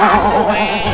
ada dih ada dih ada dih